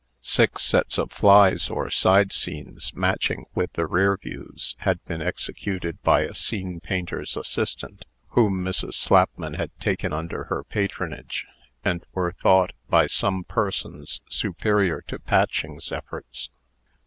Six sets of flies, or side scenes, matching with the rear views, had been executed by a scene painter's assistant, whom Mrs. Slapman had taken under her patronage, and were thought, by some persons, superior to Patching's efforts.